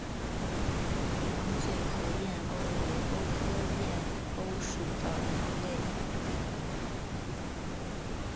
黄嘴河燕鸥为鸥科燕鸥属的鸟类。